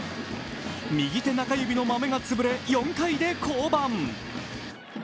右手中指のまめがつぶれ、４回で降板。